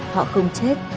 họ không chết